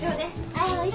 はい。